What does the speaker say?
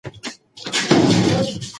ته د رښتیني ارام په لټه کې یې؟